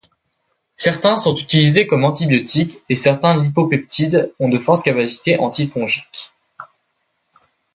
Certains sont utilisés comme antibiotiques, et certains lipopeptides ont de fortes capacités antifongiques.